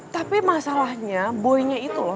tapi masalahnya boeingnya itu loh